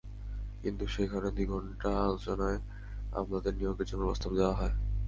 কিন্তু সেখানে দুই ঘণ্টা আলোচনায় আমলাদের নিয়োগের জন্য প্রস্তাব দেওয়া হয়।